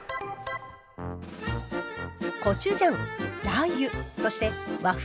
コチュジャンラー油そして和風